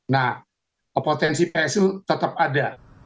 nah potensi psi tetap ada